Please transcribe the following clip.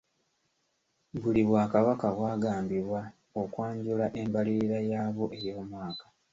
Buli bwakabaka bwagambibwa okwanjula embalirira yaabwo ey'omwaka.